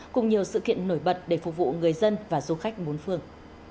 cùng nhiều sự kiện nổi bật để phục vụ người dân và du khách bốn phương